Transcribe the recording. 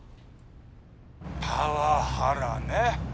パワハラね。